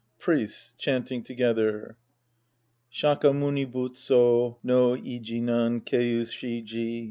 Priests {chanting together). Shaka Muni Butsu no i jinnan keu shi ji.